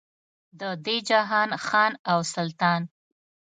د دې جهان خان او سلطان.